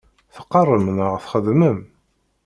Teqqaṛem neɣ txeddmem?